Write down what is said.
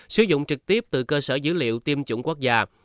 sử dụng trực tiếp từ cơ sở dữ liệu tiêm chủng quốc gia